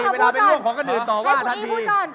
เวลาไปร่วมของคนอื่นต่อว่าทันที